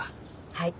はい。